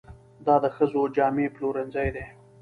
دا د ښځو جامې پلورنځی دی.